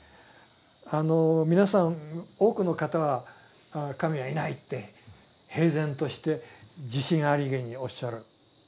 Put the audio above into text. あの皆さん多くの方は神はいないって平然として自信ありげにおっしゃる。